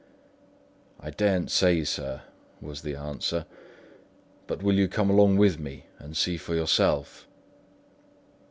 "I daren't say, sir," was the answer; "but will you come along with me and see for yourself?"